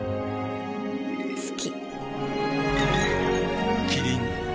好き。